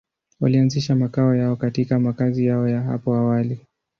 Walianzisha makao yao katika makazi yao ya hapo awali.